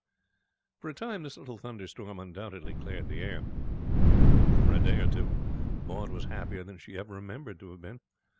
For a time this little thunderstorm undoubtedly cleared the air. For a day or two Maud was happier than she ever remembered to have been.